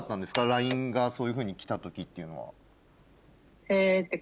ＬＩＮＥがそういうふうに来た時っていうのは。